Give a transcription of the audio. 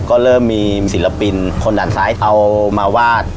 ก็เริ่มมีศิลปินคนด้านซ้ายเอามาวาด